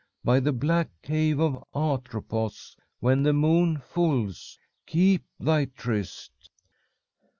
By the black cave of Atropos, when the moon fulls, keep thy tryst!'